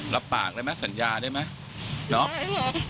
รับปากได้ไหมสัญญาได้ไหมเนอะได้ครับ